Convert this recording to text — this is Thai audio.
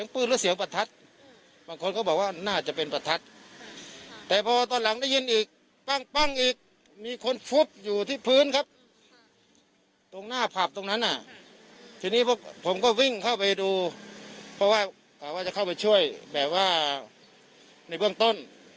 เพราะว่าเขาจะเข้าไปช่วยแบบว่าในเบื้องต้น